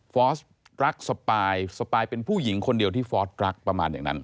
อสรักสปายสปายเป็นผู้หญิงคนเดียวที่ฟอร์สรักประมาณอย่างนั้น